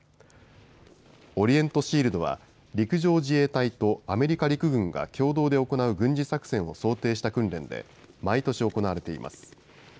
オリエント・シールドは陸上自衛隊とアメリカ陸軍が共同で行う軍事作戦を想定した訓練で毎年行われています。